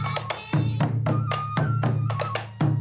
สวัสดีครับ